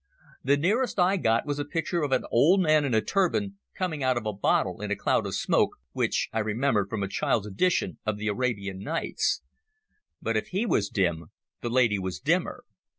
The nearest I got was a picture of an old man in a turban coming out of a bottle in a cloud of smoke, which I remembered from a child's edition of the Arabian Nights. But if he was dim, the lady was dimmer.